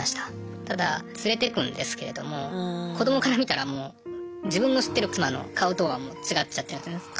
ただ連れてくんですけれども子どもから見たらもう自分の知ってる妻の顔とはもう違っちゃってるんですね。